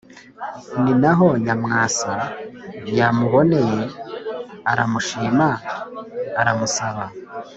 ni na ho nyamwasa yamuboneye aramushima aramusaba